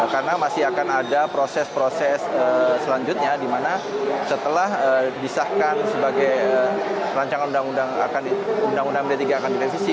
karena masih akan ada proses proses selanjutnya di mana setelah disahkan sebagai rancangan undang undang md tiga akan direvisi